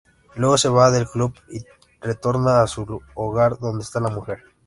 Luego, se va del club, y retorna a su hogar donde está la mujer.